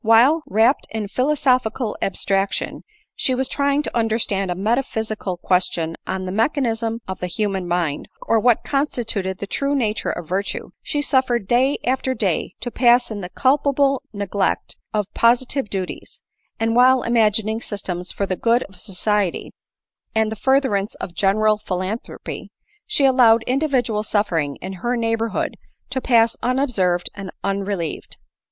While, wrapt in phi losophical abstraction, she was trying to understand a metaphysical question on the mechanism of the human mind, or what constituted the true nature of virtue, she suffered day after day to pass in the culpable neglect of positive duties ; and while imagining systems for the good of society, and the furtherance of general philanthropy, she allowed individual suffering in her neighborhood to pass unobserved and unrelieved.